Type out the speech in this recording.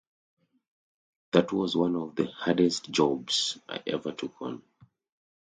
That was one of the hardest jobs I ever took on.